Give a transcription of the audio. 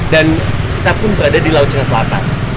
kita pun berada di laut cina selatan